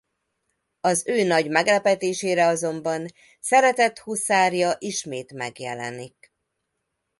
Az ő nagy meglepetésére azonban szeretett huszárja ismét megjelenik.